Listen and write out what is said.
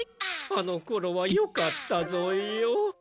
あのころはよかったぞよ。